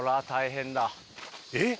えっ！